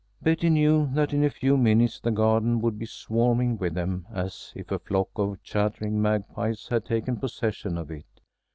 Betty knew that in a few minutes the garden would be swarming with them as if a flock of chattering magpies had taken possession of it.